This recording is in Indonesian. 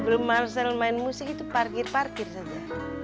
sebelum marcel main musik itu parkir parkir saja